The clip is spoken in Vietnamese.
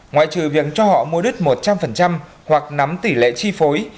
ngoại trừ việc cho họ mua đứt một trăm linh hoặc nắm tỷ lệ chi phối